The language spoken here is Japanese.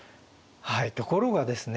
はいところがですね